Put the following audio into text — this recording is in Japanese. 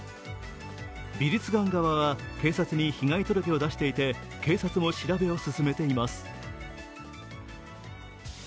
美術館側は、警察に被害届を出していて警察も調べを進めています。